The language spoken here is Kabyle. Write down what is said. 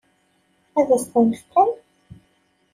Ad s-ten-fken?